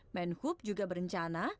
menhub juga berencana